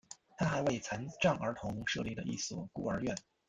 他还为残障儿童设立了一所孤儿院。